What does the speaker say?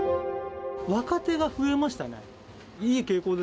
若手が増えましたね。